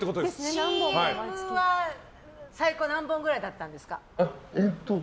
ＣＭは最高何本ぐらいだったんですか？